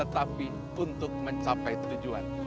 tapi untuk mencapai tujuan